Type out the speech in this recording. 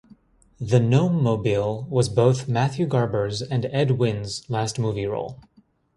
"The Gnome-Mobile" was both Matthew Garber's and Ed Wynn's last movie role.